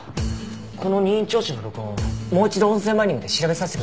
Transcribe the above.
この任意聴取の録音もう一度音声マイニングで調べさせてください。